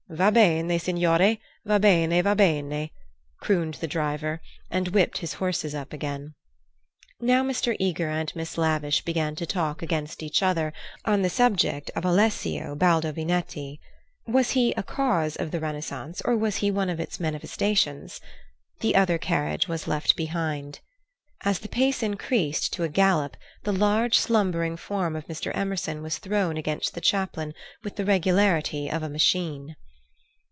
"Va bene, signore, va bene, va bene," crooned the driver, and whipped his horses up again. Now Mr. Eager and Miss Lavish began to talk against each other on the subject of Alessio Baldovinetti. Was he a cause of the Renaissance, or was he one of its manifestations? The other carriage was left behind. As the pace increased to a gallop the large, slumbering form of Mr. Emerson was thrown against the chaplain with the regularity of a machine.